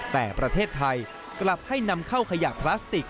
แต่ประเทศไทยกลับให้นำเข้าขยะพลาสติก